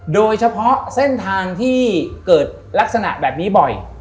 โดยเฉพาะเส้นทางที่เกิดลักษณะแบบนี้บ่อย